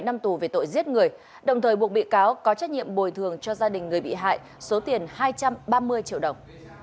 ba năm tù về tội giết người đồng thời buộc bị cáo có trách nhiệm bồi thường cho gia đình người bị hại số tiền hai trăm ba mươi triệu đồng